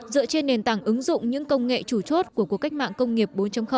dựa trên nền tảng ứng dụng những công nghệ chủ chốt của cuộc cách mạng công nghiệp bốn